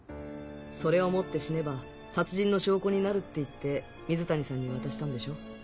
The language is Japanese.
「それを持って死ねば殺人の証拠になる」って言って水谷さんに渡したんでしょ？